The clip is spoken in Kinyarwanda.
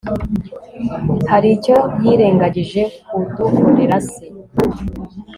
Haricyo yirengagije kudukorera se